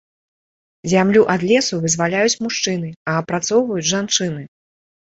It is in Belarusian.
Зямлю ад лесу вызваляюць мужчыны, а апрацоўваюць жанчыны.